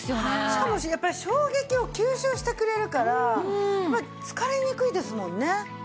しかもやっぱり衝撃を吸収してくれるからやっぱり疲れにくいですもんね。